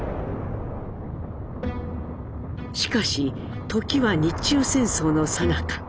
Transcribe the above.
しかし時は日中戦争のさなか。